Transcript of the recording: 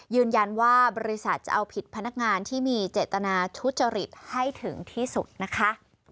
บริษัทจะเอาผิดพนักงานที่มีเจตนาทุจริตให้ถึงที่สุดนะคะ